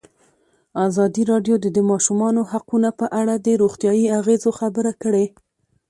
ازادي راډیو د د ماشومانو حقونه په اړه د روغتیایي اغېزو خبره کړې.